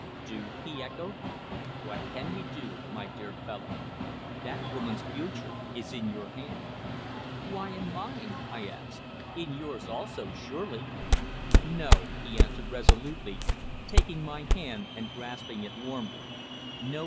"Do?" he echoed. "What can we do, my dear fellow? That woman's future is in your hands." "Why in mine?" I asked. "In yours also, surely?" "No," he answered resolutely, taking my hand and grasping it warmly.